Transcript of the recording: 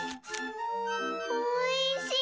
おいしい！